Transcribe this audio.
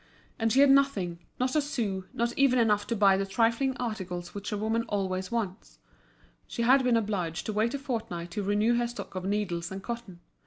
And she had nothing, not a sou, not even enough to buy the trifling articles which a woman always wants; she had been obliged to wait a fortnight to renew her stock of needles and cotton.